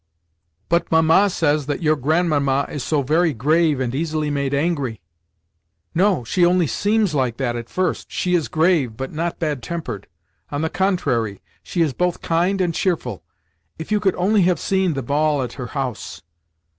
"But Mamma says that your Grandmamma is so very grave and so easily made angry?" "No, she only seems like that at first. She is grave, but not bad tempered. On the contrary, she is both kind and cheerful. If you could only have seen the ball at her house!"